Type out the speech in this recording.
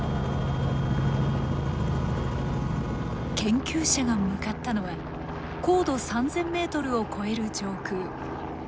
研究者が向かったのは高度３，０００ｍを超える上空。